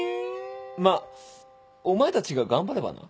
まっお前たちが頑張ればな。